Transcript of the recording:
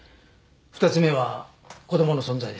２つ目は子供の存在です。